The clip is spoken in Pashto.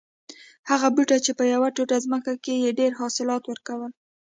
هغه بوټی چې په یوه ټوټه ځمکه کې یې ډېر حاصلات ور کول